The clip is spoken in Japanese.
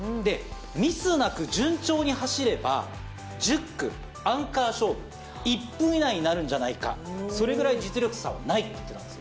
ミスなく順調に走れば、１０区、アンカー勝負。１分以内になるんじゃないか、それぐらい実力差はないって言ってるんです。